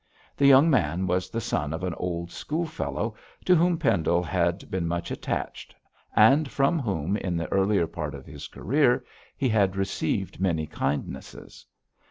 The young man was the son of an old schoolfellow, to whom Pendle had been much attached, and from whom, in the earlier part of his career, he had received many kindnesses.